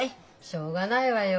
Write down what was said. しょうがないわよ。